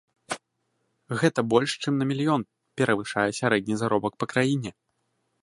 Гэта больш чым на мільён перавышае сярэдні заробак па краіне!